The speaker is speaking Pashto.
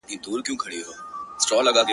فلسفې نغښتي دي_